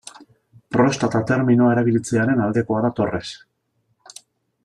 Prostata terminoa erabiltzearen aldekoa da Torres.